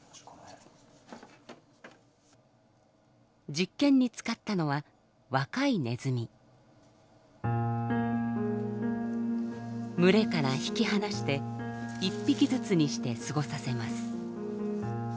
実験に使ったのは群れから引き離して１匹ずつにして過ごさせます。